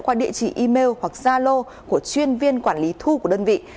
qua địa chỉ email hoặc gia lô của chuyên viên quản lý thu của đơn vị